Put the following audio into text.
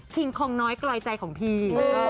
คงน้อยกลอยใจของพี่